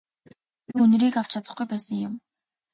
Би үнэрийг авч чадахгүй байсан юм.